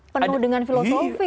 penuh dengan filosofi ya